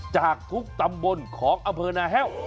จากกุ๊กตำบลของอเผอร์นาแฮว